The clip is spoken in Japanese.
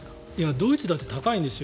ドイツだって高いんですよ。